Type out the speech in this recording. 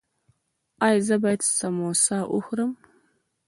ایا زه باید سموسه وخورم؟